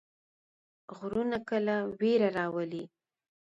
غږونه کله ویره راولي.